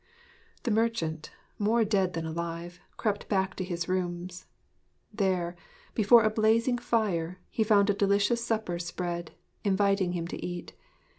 The merchant, more dead than alive, crept back to his rooms. There, before a blazing fire, he found a delicious supper spread, inviting him to eat.